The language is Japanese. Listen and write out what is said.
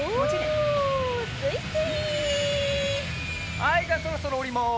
はいじゃあそろそろおります。